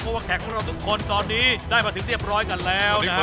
เพราะว่าแขกทุกคนตอนนี้ได้มาถึงเรียบร้อยกันแล้วนะ